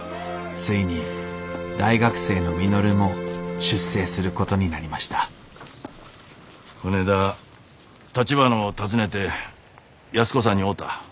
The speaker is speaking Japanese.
ついに大学生の稔も出征することになりましたこねえだたちばなを訪ねて安子さんに会うた。